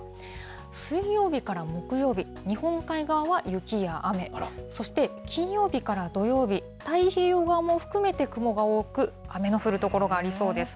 水曜日から木曜日、日本海側は雪や雨、そして、金曜日から土曜日、太平洋側も含めて、雲が多く、雨の降る所がありそうです。